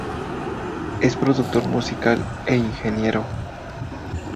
Es productor musical e ingeniero.